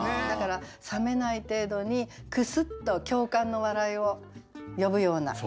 だから冷めない程度にクスッと共感の笑いを呼ぶような。